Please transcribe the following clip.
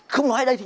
không nói ở đây thì